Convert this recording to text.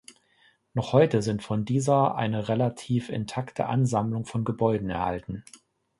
Noch heute sind von dieser eine relativ intakte Ansammlung von Gebäuden erhalten.